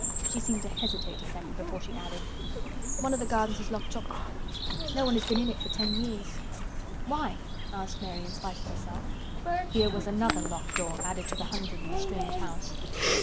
She seemed to hesitate a second before she added, "One of th' gardens is locked up. No one has been in it for ten years." "Why?" asked Mary in spite of herself. Here was another locked door added to the hundred in the strange house.